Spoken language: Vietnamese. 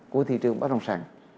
của thị trường báo công sản